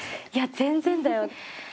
いや全然だよ。